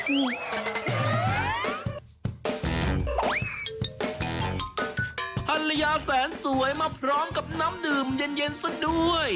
อุ๊ยยยยยยท่านละยาแสนสวยมาพร้อมกับน้ำดื่มเย็นสุดด้วย